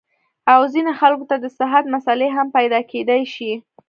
او ځينې خلکو ته د صحت مسئلې هم پېدا کېدے شي -